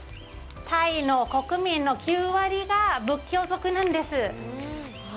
タイの国民の９割が仏教徒なんです。